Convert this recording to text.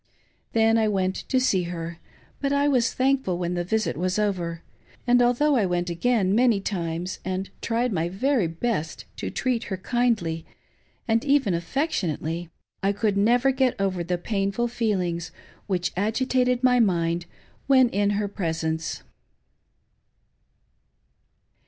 Then I went to see her ; but I was thankful when the visit was over, and although I went again many times, and tried my very best to treat her kindly and even affectionately, I could never get over the painful feelings which agitated my mind when in her presence.